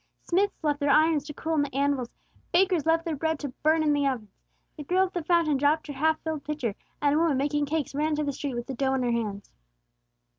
Smiths left their irons to cool on the anvils; bakers left their bread to burn in the ovens; the girl at the fountain dropped her half filled pitcher; and a woman making cakes ran into the street with the dough in her hands.